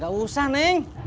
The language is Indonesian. gak usah neng